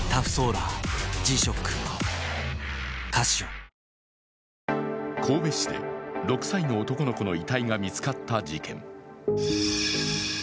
東芝神戸市で６歳の男の子の遺体が見つかった事件。